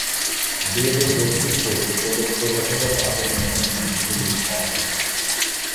বেদ ও যোগসূত্র এ প্রদত্ত যথাযথ আচরণের জন্য এগুলি সংযম।